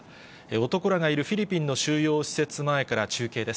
男らがいるフィリピンの収容施設前から中継です。